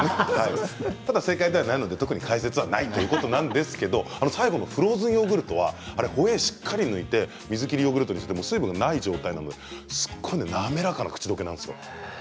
でも、正解ではないので解説はないということですが最後のフローズンヨーグルトホエーをしっかり抜いて水切りヨーグルトにすると水分がない状態なので、すごく滑らかな口溶けなんですよ。